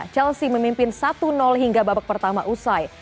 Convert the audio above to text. chelsea memimpin satu hingga babak pertama usai